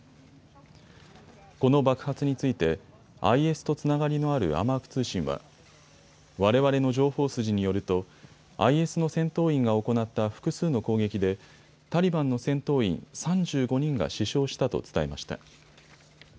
この爆発についてＩＳとつながりのあるアマーク通信はわれわれの情報筋によるとＩＳの戦闘員が行った複数の攻撃でタリバンの戦闘員３５人が死傷したと伝えました。